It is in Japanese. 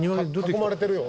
囲まれてるよ。